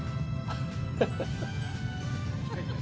ハハハハ！